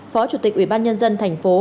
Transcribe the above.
phó chủ tịch ủy ban nhân dân tp hcm